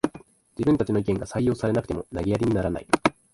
自分たちの意見が採用されなくても投げやりにならない